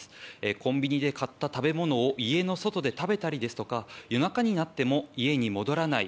コンビニで買った食べ物を家の外で食べたり夜中になっても家に戻らない。